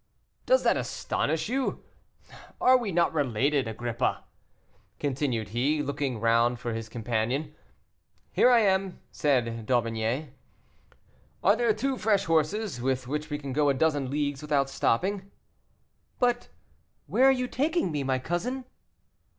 "Does that astonish you? Are we not related, Agrippa?" continued he, looking round for his companion. "Here I am," said D'Aubigné. "Are there two fresh horses, with which we can go a dozen leagues without stopping?" "But where are you taking me, my cousin?"